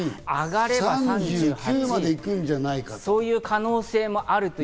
３８３９までいくんじゃなそういう可能性もあると。